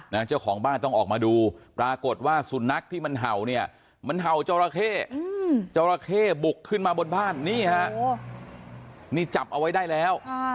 เจ้าของบ้านต้องออกมาดูปรากฏว่าสุนัขที่มันเห่าเนี่ยมันเห่าจอราเข้จราเข้บุกขึ้นมาบนบ้านนี่ฮะนี่จับเอาไว้ได้แล้ว